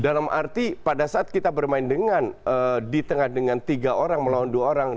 dalam arti pada saat kita bermain dengan di tengah dengan tiga orang melawan dua orang